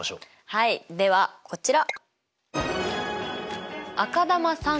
はいではこちら。